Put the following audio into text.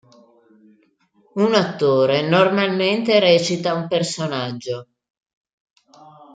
Un attore normalmente recita un personaggio.